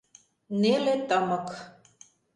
Неле тымык.